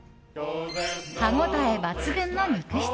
歯応え抜群の肉質。